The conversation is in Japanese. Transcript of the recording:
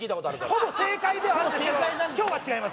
ほぼ正解ではあんの？